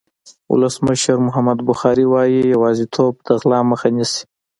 ولسمشر محمد بخاري وایي یوازېتوب د غلا مخه نیسي.